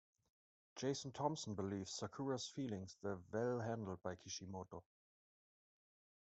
Jason Thompson believes Sakura's feelings were well-handled by Kishimoto.